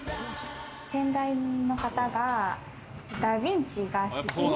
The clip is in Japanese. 先代の方がダ・ヴィンチが好き。